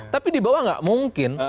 tapi di bawah nggak mungkin